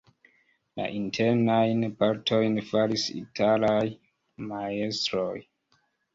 La internajn partojn faris italaj majstroj.